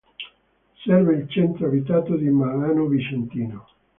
Serve il centro abitato di Marano Vicentino.